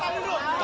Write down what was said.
masih jalan ya